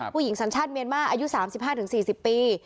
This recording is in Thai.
ผู้หญิงชันชาติเมียนมาลอายุ๓๕ถึง๔๐ปี